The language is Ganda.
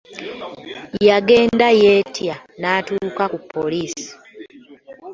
Yagenda yeetya n'atuuka ku poliisi.